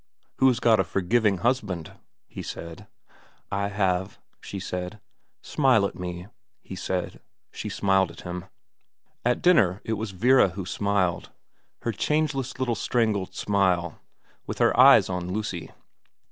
' Who's got a forgiving husband ?' he said. ' I have,' she said. * Smile at me,' he said. She smiled at him. At dinner it was Vera who smiled, her changeless little strangled smile, with her eyes on Lucy.